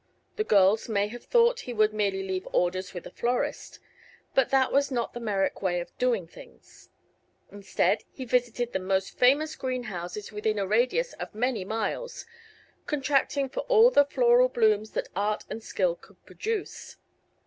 The girls may have thought he would merely leave orders with a florist; but that was not the Merrick way of doing things. Instead, he visited the most famous greenhouses within a radius of many miles, contracting for all the floral blooms that art and skill could produce.